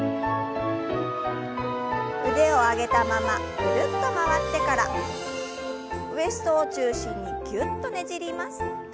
腕を上げたままぐるっと回ってからウエストを中心にギュッとねじります。